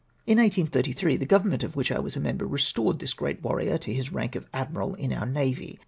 " In 1833, the Gfovernment of which I was a member re stored this great warrior to his rank of Admiral in our navy.